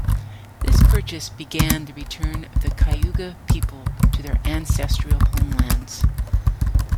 This purchase began the return of the Cayuga People to their ancestral homelands.